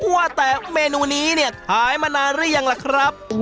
ว่าแต่เมนูนี้เนี่ยขายมานานหรือยังล่ะครับ